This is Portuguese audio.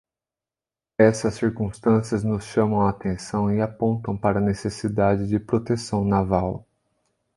Essas circunstâncias nos chamam a atenção e apontam para a necessidade de proteção naval.